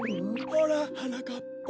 ほらはなかっぱ。